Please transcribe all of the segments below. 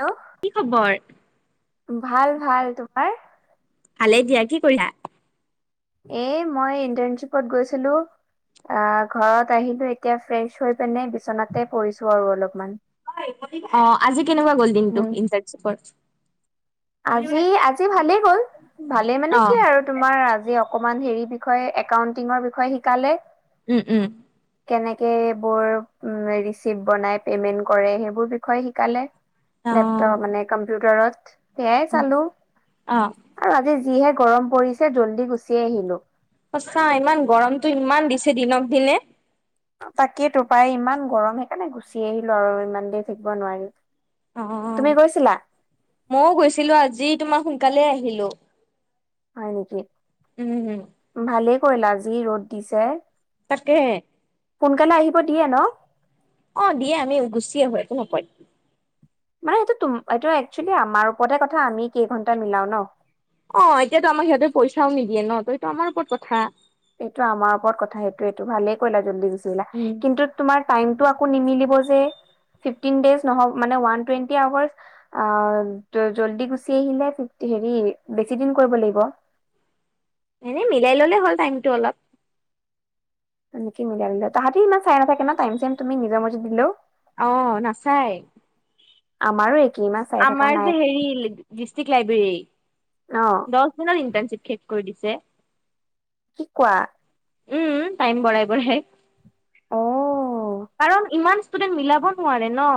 Hello কি খবৰ? ভাল ভাল। তোমাৰ? ভালে দিয়া। কি কৰিছা? এ মই ইণ্টাৰ্ণশ্বিপত গৈছিলোঁ। অ ঘৰত আহিলো এতিয়া ফ্ৰেছ হৈ পিনে বিচনাতে পৰিছো আৰু অলপমান। অ আজি কেনেকুৱা গ'ল দিনটো উম ইণ্টাৰ্ণশ্বিপৰ আজি আজি ভালেই গ'ল ভালেই মানে অ' কি আৰু তোমাৰ আজি অকমান হেৰিৰ বিষয়ে একাউন্টিঙৰ বিষয়ে শিকালে। উম উম কেনেকে এইবোৰ ৰিছিপ বনাই পেইমেণ্ট কৰে সেইবোৰ বিষয়ে শিকালে। অ লেপটপ মানে কম্পিউটাৰত। সেইয়াই উম, চালো অ' আৰু আজি যিহে গৰম পৰিছে জল্দি গুচি আহিলো। সঁচা ইমান গৰমটো ইমান দিছে দিনক দিনে। তাকেই তো প্ৰায় ইমান গৰম সেইকাৰণে গুচি আহিলো আৰু ইমান দেৰি থাকিব নোৱাৰিলো। অ মইও গৈছিলো আজি তোমাৰ সোনকালেই আহিলো। হয় নেকি? উম উম কইলা যি ৰ'দ দিছে তাকেহে। সোনকালে আহিব দিয়ে ন। অ দিয়ে আমি গুচি আহো একো নকয়। মানে এইটো তম এইটো একচেলি আমাৰ ওপৰতে কথা আমি কেইঘন্টা মিলাও ন। অ এতিয়াতো আমাক সিহঁতে পইচাও নিদিয়ে ন ত সেইটো আমাৰ ওপৰত কথা। এইটো আমাৰ ওপৰত কথা সেইটো এইটো ভালে কৰিলা জল্দি গুচি উম, কিন্তু তোমাৰ টাইম টো আকৌ নিমিলিব যে ফিফটিন ডেইছ ন নহব মানে ওৱান টুৱেন্টি আৱাৰ্চ আ জল্দি গুচি আহিলে ফিফটি হেৰি বেছি দিন কৰিব লাগিব। এনেই মিলাই ললে হ'ল টাইমটো অলপ। নেক মিলাই মিলা তাহাঁতি ইমান চাই নাথাকে ন টাইম চাইম তুমি নিজৰ মতে দিলেও। অহ নাচায়। আমাৰো একে আমাৰ যে হেৰি ডিষ্ট্ৰিক অ লাইব্ৰেৰীৰ দহ দিনৰ ওপৰত ইনটাৰ্ণশিপ কৰি দিছে। কি কোৱা? উম টাইম বৰাই বঢ়াই অ কাৰণ ইমান ষ্টুডেন্ট মিলাব নোৱাৰে ন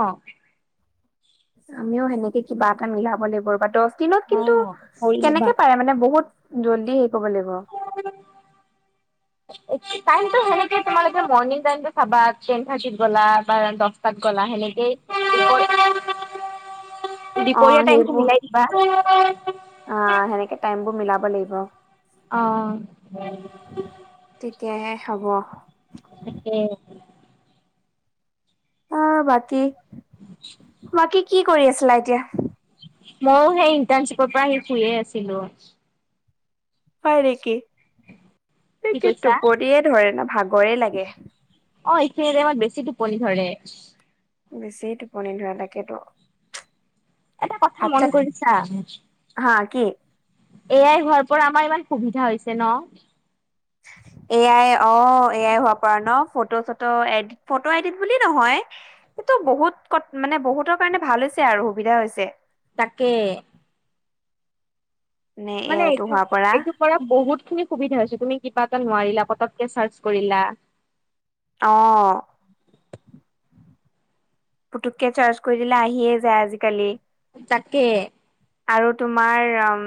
আমিও সেনেকে কিবা এটা মিলাব লাগিব ৰবা দহ দিনত কিন্তু অ', কৰি ল'বা। কেনেকে পাৰে মানে বহুত জল্ডি ক'ব লাগিব টাইমটো সেনেকে তোমালোকে মৰ্ণিং টাইমটো চাবা ট্ৰেন থাৰ্টিত গ'লা বা দচটাত গ'লা সেনেকেই অ দুপৰীয়া টাইমটো সেইবোৰ মিলাই দিবা আহ সেনেকে টাইম বোৰ মিলাব লাগিব অ তেতিয়াহে হব তাকে অহ বাকী বাকী কি কৰি আছিলা এতিয়া মইও সেই ইণ্টাৰ্ণশিপৰ পৰা আহি শুয়ে আছিলো হয় নেকি এই কি কে কৈছা টোপনিয়ে ধৰে ন ভাগৰে লাগে অ এইখিন টাইমত বেছি টোপনি ধৰে বেছি টোপনি ধৰে তাকেতো এটা কথা ভাত মন চাত কৰিছা হা কি? এ আই হোৱাৰ পৰা আমাৰ ইমান সুবিধা হৈছে ন A I O A I হোৱা পৰা ন ফটো চটো এডট ফটো এডিট বুলি নহয় সেইটো বহুত কত মানে বহুতৰ কাৰণে ভাল হৈছে আৰু সুবিধা হৈছে তাকে নে এ মানে আইটো এইটো হোৱাৰ পৰা এইটো কৰা বহুত খিনি সুবিধা হৈছে তুমি কিবা নোৱাৰিলা পটককে চাৰ্চ কৰিলা অ পুতুককে চাৰ্চ কৰি দিলে আহিয়ে যায় আজিকালি তাকে আৰু তোমাৰ উম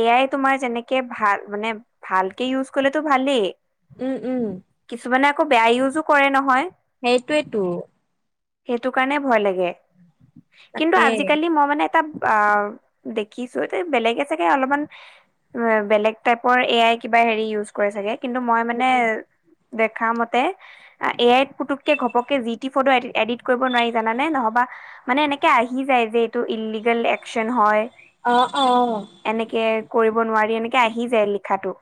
এ আই তোমাৰ যেনেকে ভাল মানে ভালকে ইউজলে টো ভাল খালি উম উম [unintelligible] বেয়া ইউজো কৰে নহয় সেইটোৱেতো সেইটো কাৰণে ভয় লাগে কিন্তু তাকে আজিকালি মই মানে [unintelligible] দেখিছো এ বেলেগে চাগে অলপমান বেলেগ টাইপৰ এ আই কিবা হেৰি ইউজ কৰে চাগে কিন্তু মই মানে দেখা মতে এ আইত পুতুককে ঘপকে জি টি ফটো এডিট কৰিব নোৱাৰি জানান নে নহবা মানে এনেকে আহি যায় যে এইটো ইলিগেল একচন হয় অ অ এনেকে কৰিব নোৱাৰি এনেকে আহি যায় লিখাত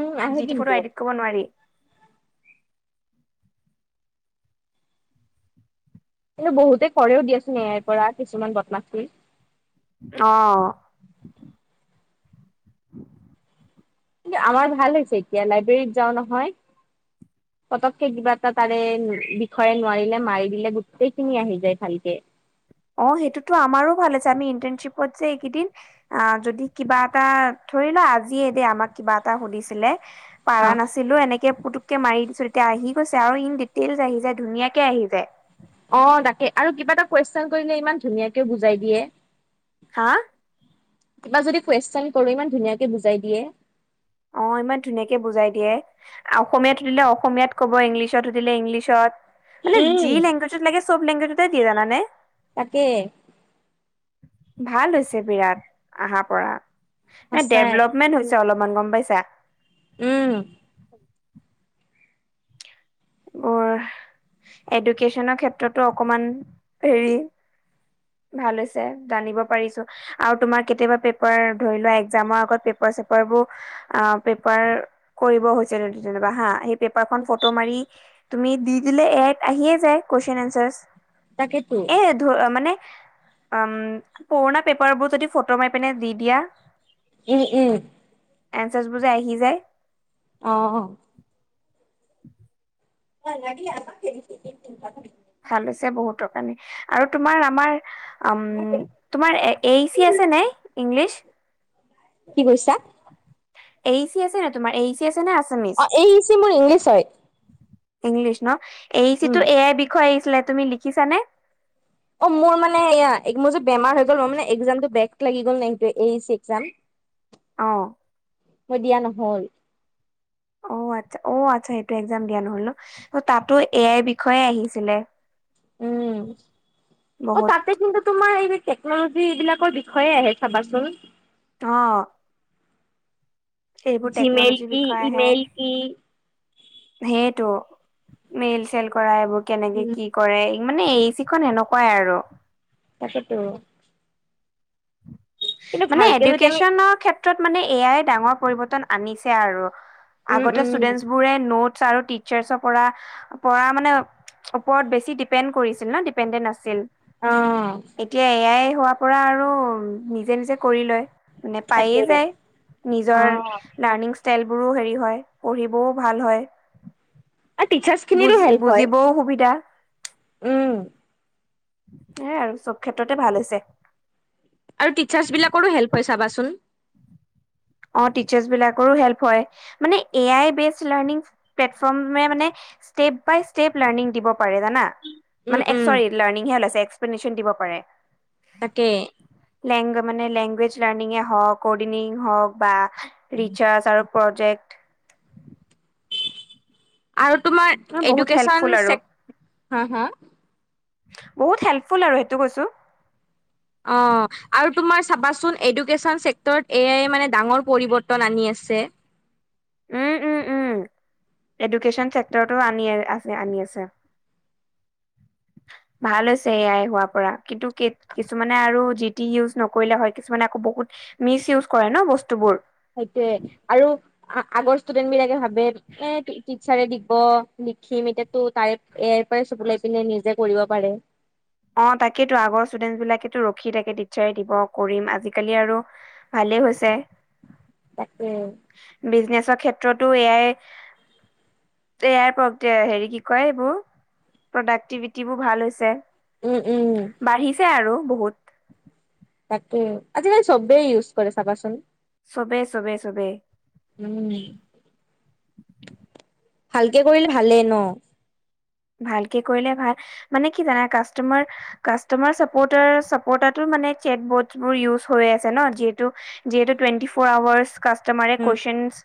উম আহে কিন্তু কিন্তু বহুতে কৰেও দিয়াচোন এ আইৰ পৰা কিছুমান বদমাচি অহ আমাৰ ভাল হৈছে এতিয়া লাইব্ৰেৰীত যাওঁ নহয় পতককে কিবা এটা তাৰে বিষয়ে নোৱাৰিলে মাৰি দিলে গোটেইখিনি আহি যায় ভালকে অ সেইটোতো আমাৰো ভাল আছে আমি ইন্টানশ্বিপত যে এইকেইদিন যদি কিবা এটা ধৰি লোৱা আজিয়ে দেই আমাক কিবা এটা সুধিছিলে অ পাৰা নাছিলো এনেকে মাৰি দিছো তিতিয়া আহি গৈছে আৰু ইন ডিটেইলছ আহি যায় ধুনীয়াকে আহি যায় অ তাকে আৰু কিবা এটা কুৱেশন কৰিলে ইমান ধুনীয়াকে বুজাই দিয়ে হা কিবা যদি কুৱেশন কৰো ইমান ধুনীয়াকে বুজাই দিয়ে অ ইমান ধুনীয়াকে বুজাই দিয়ে অসমীয়াত সুধিলে অসমীয়াত কব ইংলিছত সুধিলে ইংলিছত মানে উম যি লেংগুৱেজত লাগে চব লেংগুৱেজতে দিয়ে জানানে তাকে ভাল হৈছে বিৰাট আহাৰ পৰা এ সঁচাই ডেভলপমেন্ট হৈছে অলপ গম পাইছা উম মোৰ এডুকেশ্যনৰ ক্ষেত্ৰতো অকমান হেৰি ভাল হৈছে জানিব পাৰিছো আৰু তোমাৰ কেতিয়াবা পেপাৰ ধৰি লোৱা একজামৰ আগত পেপ পেঁপাৰ চেপাৰবোৰ পেঁপাৰ কৰিব হৈছে তেনেকুৱা হা পেঁপাৰখন ফটো মাৰি তুমি দি দিলে এয়াত আহিয়ে যায় কুৱেশচন তাকেতো এনচাৰছএ ধ মানে [unintelligible] অম পুৰণা পেঁপাৰবোৰ যদি ফটো মাৰি পিনে দি দিয়া উম উম এনচাৰছ বোৰ যে আহি যায় অ অ [inaudible] লাগিলে আমাক ভাল হৈছে বহুতৰ কাৰণে আৰু তোমাৰ আমাৰ উম তোমাৰ এই চি আছে নাই ইংলিছ কি কৰিছা এই চি আছে নে তোমাৰ এই চি আছে নে আছামিছ অ এই চি মোৰ ইংলিছ হয় ইংলিছ ন এই চি উম টো এ আই বিষয়ে আহিছিলে তুমি লিখিছানে অ মোৰ মানে সেয়া মোৰ যে বেমাৰ হৈ গ'ল মোৰ একজামটো বেক লাগি গ'ল না এই চি একজাম অ দিয়া নহল আছা অ আচছা সেইটো একজাম দিয়া নহল ন তাতো এ আইৰ বিষয়ে আহিছিলে উম অ বহুত তাতে কিন্তু তোমাৰ এই টেকনলজি এইবিলাকৰ বিষয়ে আহে চাবাচোন অ সেইবোৰ জিমেইল টেকনলজিৰ কি বিষয়ে ইমেইল আহে কি সেইটো মেইল চেইল কৰা এইবোৰ কেনেকে উম কি কৰে মানে এই চিখন এনেকুৱাই আৰু সেইটোৱেই টো মানে যদি আমি এডুকেশ্যনৰ ক্ষেত্ৰত মানে এয়াই ডাঙৰ পৰিৱৰ্তন আনিছে আৰু উম আগতে উম ষ্টুডেন্টবোৰে নোট আৰু টিচাৰ্চৰ পৰা পৰা মানে ওপৰত বেছি ডিপেণ্ড কৰিছিল ন ডিপেণ্ডেণ্ট আছিল অ এতিয়া এ আই হোৱা পৰা আৰু নিজে নিজে কৰি লয় মানে তাকে পায়ে যায় অ নিজৰ লাৰ্নিং ষ্টলবোৰো হেৰি হয় পঢ়িবও ভাল হয়। আৰু টিচাৰ্চ বুজ খিনিৰো হেল্প হয়। বুজিবও সুবিধা। উম সেইয়াই আৰু চব ক্ষেত্ৰতে ভাল হৈছে। আৰু টিচাৰ্চ বিলাকৰো হেল্প [unintelligible] অ টিচাৰ্চ বিলাকৰো হেল্প হয় মানে A I based learning platform মানে ষ্টেপ বাই ষ্টেপ লাৰ্ণিং দিব পাৰে জানা। উম, মানে উম, লাৰ্ণিংহে ওলাইছে এক্সপ্লেনেশ্যন দিব পাৰে। তাকে লেং মানে লেংগুৱেজ লাৰ্ণঙে হওঁক কৰ্ডিনেটিং হওক বা ৰিচাৰ্জ আৰু প্ৰজেক্ট আৰু তোমাৰ বহুত এডুকেশ্যন হেল্পফুল আৰু চেক হ হ বহুত হেল্পফুল আৰু সেইটো কৈছোঁ। অ আৰু তোমাৰ চাবাচোন এডুকেশ্যন চেক্টৰত এয়াই মানে ডাঙৰ পৰিবৰ্তন আনি আছে। ছে উম উম উম এডুকেশ্যন চছেক্টৰৰতো আনি আছে আনি আছে। [inaudible] ভাল হৈছে এ আই হোৱাৰ পৰা। কিন্তু কিছুমানে আৰু জি টি ইউজ নকৰিলে হয় কিছুমানে আকৌ ব মিচ ইউজ কৰে ন বস্তুবোৰ। সেইটোয়ে আৰু আগৰ ষ্টুডেন্ট বিলাকে ভাবে এ ইচ্ছাৰে দিব লিখিম। এতিয়াতো তাই ইয় পৰাই চব লাই পিনে নিজে কৰিব পাৰে। অ তাকেতো আগৰ ষ্টুডেন্টচ বিলাকে ৰখি তাকে টিচাৰে দিব কৰিম। আজিকালি আৰু ভাল ভালেই হৈছে। তাকে বিজনেছৰ ক্ষেত্ৰতো এয়াই ইয়াৰ হেৰি কি কয় এইবোৰ প্ৰডাক্টিভিটিবোৰ ভাল হৈছে। উম, উম, বাঢ়িছে আৰু বহুত। তাকে আজিকালি চবেই ইউজ কৰে চাবাচোন। চবে চবে চবে উম, ভালকে কৰিলে ভালেই ন। ভালকে কৰিলে ভাল মানে কি জানা কাষ্টমাৰ কাষ্টমাৰ চাপোটাৰ চাপোটাৰটো চেট বোটবোৰ ইউজ হৈ আছে ন। যিহেতু টুৱেন্টি ফৌৰ আওৱাচ মানে উম, কুৱেশ্যনচ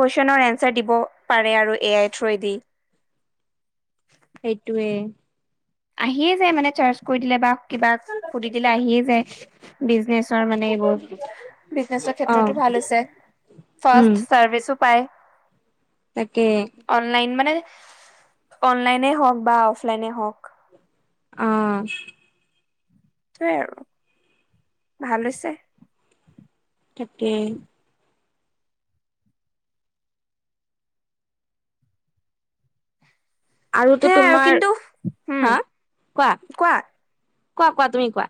কুৱেশ্যনৰ এঞ্চাৰ দিব পাৰে আৰু এ আই থ্ৰুৱেদি। সেইটোৱে আহিয়ে যায় মানে চাৰ্চ কৰি দিলে বা কিবাক সুধি দিলে আহিয়ে যায়। বিজনেচৰ মানে এইবহুত বিজনেছৰ অ', ক্ষেত্ৰতো ভাল হৈছে। উম। ফাৰ্ষ্ট চাৰভিছো পায়। তাকে অনলাইন মানে অনলাইনে হওক বা অফলাইনে হওক। আহ সেইটোয়ে আৰু ভাল হৈছে। তাকে আৰুতো সেয়াই আৰু তোমাৰ কিন্তু উম হা কোৱা কোৱা কোৱা তুমি কোৱা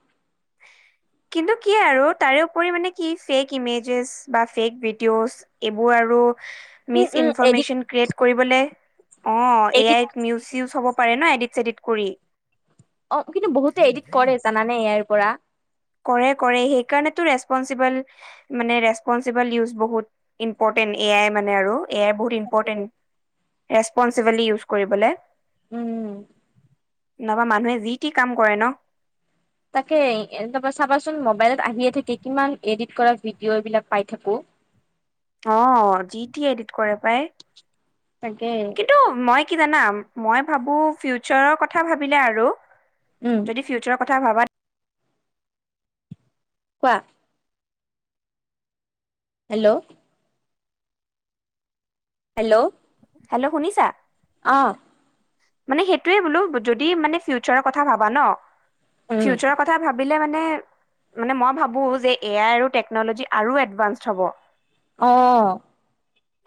কিন্তু কি আৰু তাৰে উপৰি মানে কি ফেক ইমেজেছ বা ফেক ভিডিঅ'জ এইবোৰ আৰু um miss um edit information create কৰিবলে। অ এ এডিট আইত নিউছ চিউজ ন এদিন চেদিন কৰি [unintelligible] অ কিন্তু বহুতে এডিট কৰে জানানে ইয়াৰ পৰা কৰে কৰে। সেইকাৰণেতো ৰেচপনচিবল মানে ৰেচপনচিবল ইউজ বহুত ইম্পৰ্টেণ্ট। চাই মানে আৰু। চাই বহুত ইম্পৰ্টেন। ৰেচপনচিবিলি ইউজ কৰিবলে। উম নাহবা মানুহে যি টি কাম কৰে ন তাকে এ চাবাচোন মবাইলত আহিয়ে থাকে কিমান এডিট কৰা ভিডিঅ' এইবিলাক পাই থাকো। [inaudible] অ জিটি এডিট কৰে পাই। তাকে কিন্তু মই কি জানাম মই ভাবো ফিউচাৰৰ কথা ভাবিলে আৰু উম যদি ফিউচাৰৰ কথা ভাবা। কোৱা হেল্লো' হেল্ল হেল্লো' শুনিছা? আহ মানে সেইটোৱে বোলো। যদি মানে ফিউচাৰৰ কথা ভাবা ন উম ফিউচাৰৰ কথা ভাবা ভাবিলে মেনে মানে মই ভাবো এআই আৰু টেকন'লজী আৰু এডভান্স হ'ব। অ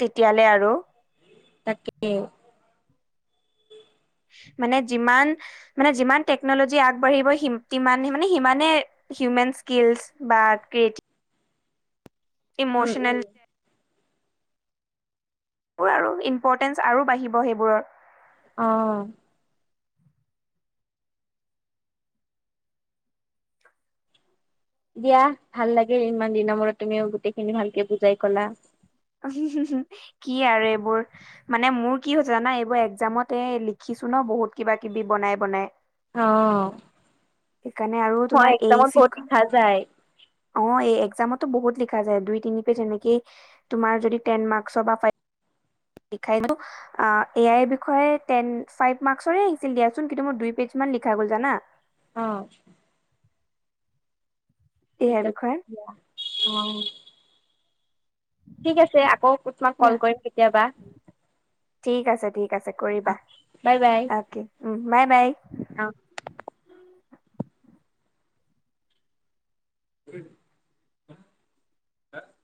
তেতিয়ালৈ আৰু তাকে মানে যিমান মানে যিমান টেকনলজি [unintelligible] আগবাঢ়িব সিমান মানে সিমানে। হিউমেন স্কিলছ বা ক্ৰিয়েটিভ। [unintelligible] উম ইমোশনেল। উম [unintelligible] সেইবোৰ আৰু ইম্পৰ্টেঞ্চ আৰু বাঢ়িব সেইবোৰৰ। অ। দিয়া ভাল লাগে ইমান দিনৰ মূৰত তুমিও গোটেইখিনি ভালকে বুজাই কলা। কি আৰু এইবোৰ মানে মোৰ কি হৈছে হৈছে জানা এইবোৰ একজামতে লিখি। ছো ন বহুত কিবা কিবি বনাই বনাই। অ। সেইকাৰণে আৰু হয় তোমাৰ এই একদমত চি বহুত লিখা যায়। [unintelligible] অ এই একজামতো বহুত লিখা যায় দুই তিনি পেজ এনেকেই তোমাৰ যদি টেন মাৰ্কসৰ বাভ। এ আইৰ বিষয়ে টেন ফাইভ মাৰ্কৰে আহিছিল দিয়াচোন কিন্তু মই। কিছুমান লিখা গ'ল জানা। অ। এ আইৰ বিষয়ে ঠিক আছে অ। ঠিক আছে আকৌ তোমাক দিয়া কল কৰিম কেতিয়াবা। ঠিক আছে ঠিক আছে কৰিবা বাই বাই অকে উম বাই বাই। [inaudible] উ আহ [unintelligible]